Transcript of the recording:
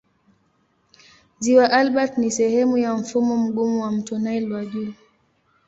Ziwa Albert ni sehemu ya mfumo mgumu wa mto Nile wa juu.